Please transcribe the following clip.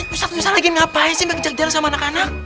ustad musa lagi ngapain sih gak kejar kejar sama anak anak